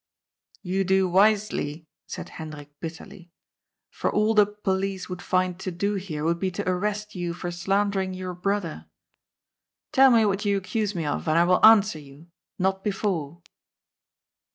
"You do wisely," said Hendrik bitterly, "for all the police would find to do here would be to arrest you for slandering your brother. Tell me what you accuse me of, and I will answer you, not before."